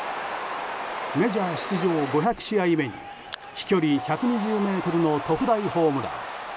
メジャー出場５００試合目に飛距離１２０ｍの特大ホームラン。